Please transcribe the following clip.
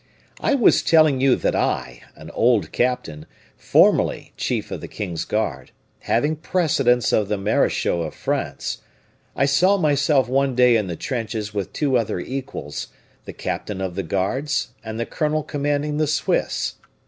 "I was telling you that I, an old captain, formerly chief of the king's guard, having precedence of the marechaux of France I saw myself one day in the trenches with two other equals, the captain of the guards and the colonel commanding the Swiss.